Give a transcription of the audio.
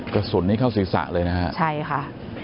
กระสุนนี้เข้าศีรษะเลยนะฮะใช่ค่ะ